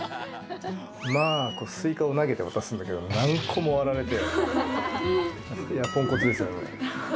すいかを投げて渡すんだけど何個も割られて。